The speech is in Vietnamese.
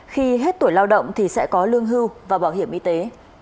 khi hết tuổi lao động thì sẽ có lương hưu và bảo hiểm y tế